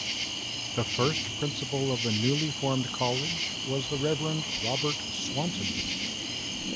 The first principal of the newly formed college was the Reverend Robert Swanton.